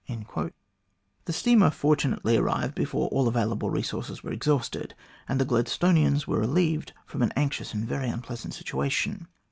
The steamer fortunately arrived before all available re sources were exhausted, and the Gladstonians were relieved from an anxious and very unpleasant situation.